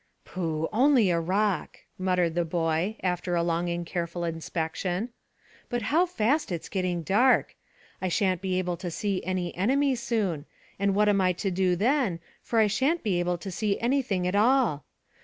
"Pooh! Only a rock," muttered the boy, after a long and careful inspection. "But how fast it's getting dark. I shan't be able to see any enemy soon, and what am I to do then, for I shan't be able to see anything at all?